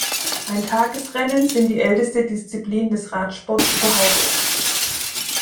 Eintagesrennen sind die älteste Disziplin des Radsports überhaupt.